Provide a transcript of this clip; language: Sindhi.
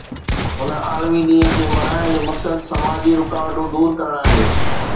هن عالمي ڏينهن کي ملهائڻ جو مقصد سماجي رڪاوٽون دور ڪرڻ آهي